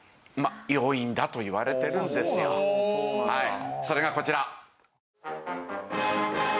はいそれがこちら。